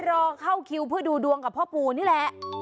รอเข้าคิวเพื่อดูดวงกับพ่อปู่นี่แหละ